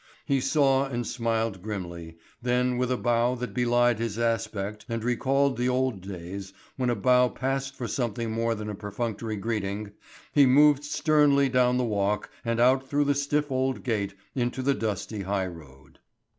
He saw and smiled grimly, then with a bow that belied his aspect and recalled the old days when a bow passed for something more than a perfunctory greeting, he moved sternly down the walk and out through the stiff old gate into the dusty highroad.